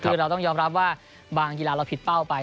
คือเราต้องยอมรับว่าบางกีฬาเราผิดเป้าไป